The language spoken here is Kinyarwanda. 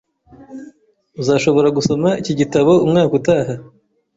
Uzashobora gusoma iki gitabo umwaka utaha